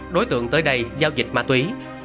đối tượng tới đây giao dịch ma túy